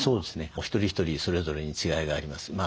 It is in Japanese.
お一人お一人それぞれに違いがあります。